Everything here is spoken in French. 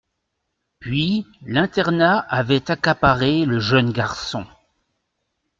Puis, l'internat avait accaparé le jeune garçon.